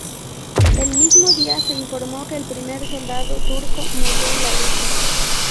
El mismo día, se informó que el primer soldado turco murió en la lucha.